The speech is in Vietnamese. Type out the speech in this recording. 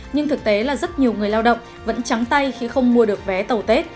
nhưng thực tế là rất nhiều người lao động vẫn trắng tay khi không mua được vé tàu tết